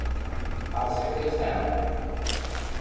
Al setè cel.